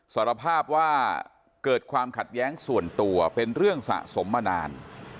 สารภาพว่าเกิดความขัดแย้งส่วนตัวเป็นเรื่องสะสมมานาน